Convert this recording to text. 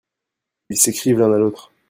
Ils s'écrivent l'un à l'autre.